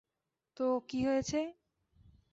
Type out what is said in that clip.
তো কী হয়েছে?